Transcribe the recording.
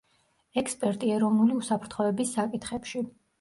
ექსპერტი ეროვნული უსაფრთხოების საკითხებში.